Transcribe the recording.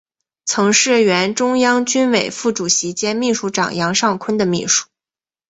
曾是原中央军委副主席兼秘书长杨尚昆的秘书。